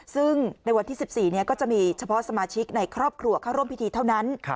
ซึ่งในวันที่๑๔ก็จะมีเฉพาะสมาชิกในครอบครัวเข้าร่วมพิธีเท่านั้น